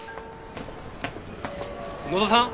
野田さん？